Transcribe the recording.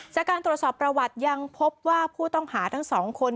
จากการตรวจสอบประวัติยังพบว่าผู้ต้องหาทั้งสองคน